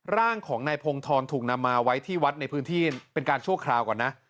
ร่างของนายพงธรถูกนำมาไว้ที่วัดในพื้นที่เป็นการชั่วคราวก่อนนะ